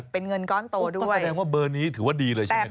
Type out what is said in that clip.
เป็นเงินก้อนโตด้วยก็แสดงว่าเบอร์นี้ถือว่าดีเลยใช่ไหม